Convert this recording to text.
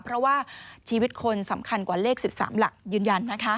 เพราะว่าชีวิตคนสำคัญกว่าเลข๑๓หลักยืนยันนะคะ